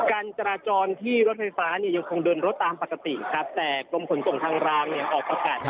การจราจรที่รถไฟฟ้าเนี่ยยังคงเดินรถตามปกติครับแต่กรมขนส่งทางรางเนี่ยออกประกาศ